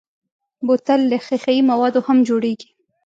بوتل له ښیښهيي موادو هم جوړېږي.